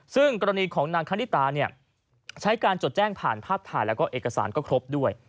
ซึ่งกรณีของนางคณิตาใช้การจดแจ้งผ่านภาพถ่ายแล้วก็เอกสารก็ครบด้วย